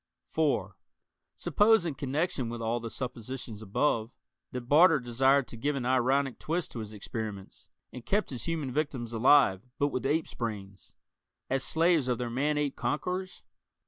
(4) Suppose, in connection with all the suppositions above, that Barter desired to give an ironic twist to his experiments, and kept his human victims alive but with apes' brains as slaves of their man ape conquerors?